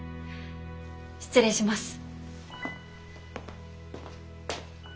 失礼します。